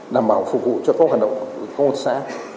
đảm bảo phục vụ cho các hoạt động của công an xã